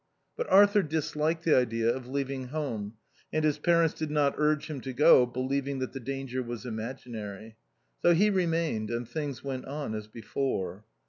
But Arthur disliked the idea of leaving home, and his parents did not urge him to go, believing that the danger was im aginary. So he remained, and things went on as before.